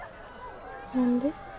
何で？